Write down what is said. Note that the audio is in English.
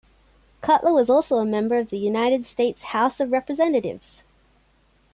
Cutler was also a member of the United States House of Representatives.